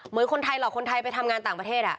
เหมือนคนไทยหลอกคนไทยไปทำงานต่างประเทศ